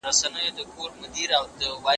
سياسي قدرت په غيري قانوني توګه لاسته مه راوړئ.